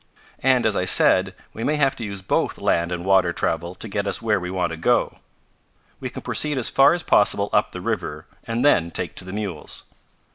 "And, as I said, we may have to use both land and water travel to get us where we want to go. We can proceed as far as possible up the river, and then take to the mules."